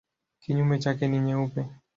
Kinyume chake ni nyeupe.